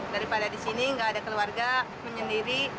daripada di sini nggak ada keluarga menyendiri